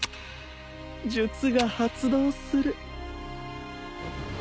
術が発動する